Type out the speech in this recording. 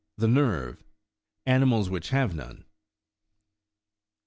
THE NERVE : ANIMALS WHICH HAVE NONE.